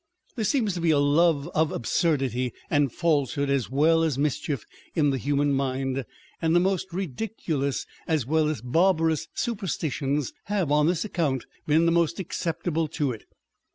There seems to be a love of absurdity and falsehood as well as mischief in the human mind, and the most ridiculous as well as barbarous superstitions have on this account been the most acceptable to it.